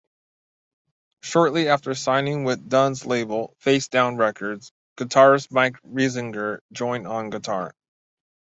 Shortly after signing with Dunn's label, Facedown Records, guitarist Mike Risinger joined on guitar.